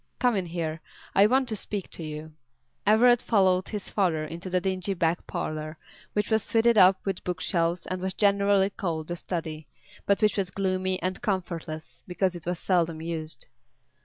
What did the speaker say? Come in here, I want to speak to you." Everett followed his father into a dingy back parlour, which was fitted up with book shelves and was generally called the study, but which was gloomy and comfortless because it was seldom used.